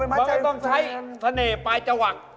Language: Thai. เอ้าว่าไม่ต้องใช้ธนเนตร์ปลายจัววรรค์